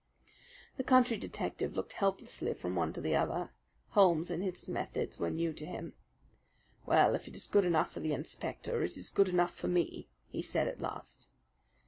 The country detective looked helplessly from one to the other. Holmes and his methods were new to him. "Well, if it is good enough for the inspector, it is good enough for me," he said at last.